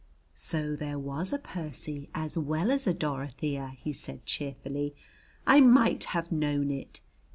"So there was a Percy as well as a Dorothea!" he said cheerfully. "I might have known it.